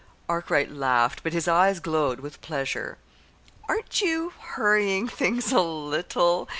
Arkwright laughed but his eyes glowed with pleasure. "Aren't you hurrying things a little?"